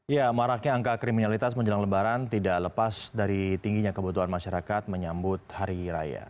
ya maraknya angka kriminalitas menjelang lebaran tidak lepas dari tingginya kebutuhan masyarakat menyambut hari raya